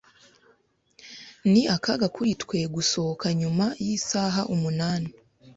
Ni akaga kuri twe gusohoka nyuma yisaha umunani.